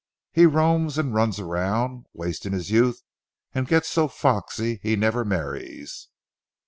He roams and runs around, wasting his youth, and gets so foxy he never marries."